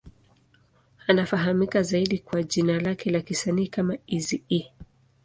Anafahamika zaidi kwa jina lake la kisanii kama Eazy-E.